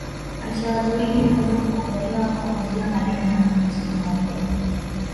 Maisha ya watu wengi yanaweza kuokolewa kwa kuzuia malaria na kuitibu mapema